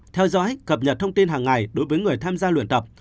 theo dõi cập nhật thông tin hàng ngày đối với người tham gia luyện tập